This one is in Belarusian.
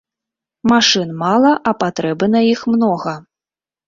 Машын мала, а патрэбы на іх многа.